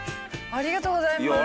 ありがとうございます。